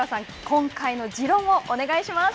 今回の自論をお願いします。